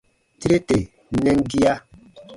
Tire tè nɛn gia.